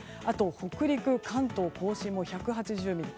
北陸、関東・甲信も１８０ミリ。